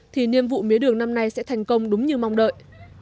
thì nhiệm vụ mía đường năm nay sẽ thành công đúng như mong đợi